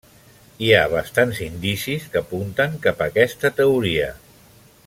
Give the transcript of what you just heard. Hi ha bastants indicis que apunten cap a aquesta teoria.